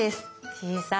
小さい。